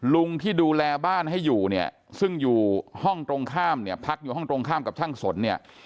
ลุงที่ดูแลบ้านให้อยู่เนี่ยซึ่งอยู่ห้องตรงข้ามเนี่ยพักอยู่ห้องตรงข้ามกับช่างสนเนี่ย